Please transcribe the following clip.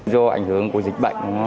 do ảnh hưởng của dịch bệnh